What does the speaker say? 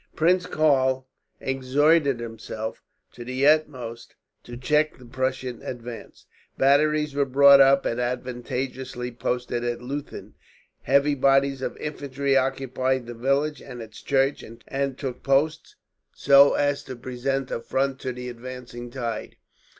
Prince Karl exerted himself to the utmost to check the Prussian advance. Batteries were brought up and advantageously posted at Leuthen, heavy bodies of infantry occupied the village and its church, and took post so as to present a front to the advancing tide.